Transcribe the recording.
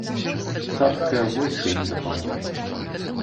Царскае войска ім дапаможа.